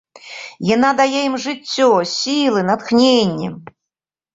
Яна дае ім жыццё, сілы, натхненне.